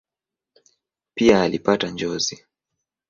Pia alipata njozi.